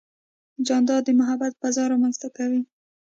جانداد د محبت فضا رامنځته کوي.